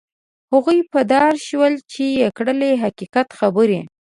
هغوی په دار شول چې یې کړلې حقیقت خبرې.